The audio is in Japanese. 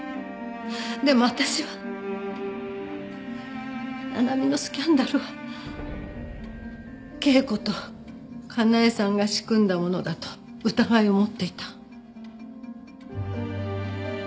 でも私は七海のスキャンダルは恵子とかなえさんが仕組んだものだと疑いを持っていた。